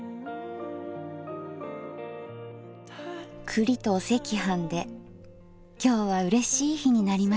栗とお赤飯で今日はうれしい日になりました。